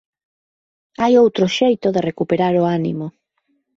Hai outro xeito de recuperar o ánimo